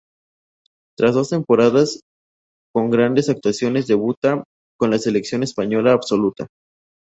Tras dos temporadas, con grandes actuaciones, debuta con la selección española absoluta.